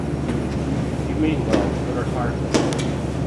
You mean well, but are tiresome.